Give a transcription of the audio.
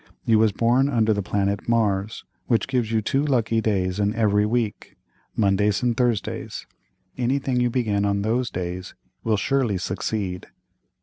You was born under the planet Mars, which gives you two lucky days in every week—Mondays and Thursdays; anything you begin on those days will surely succeed."